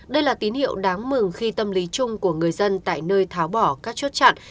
đây là tín hiệu đáng mừng khi tâm lý chung của người dân tại nơi tháo bỏ các chốt chặn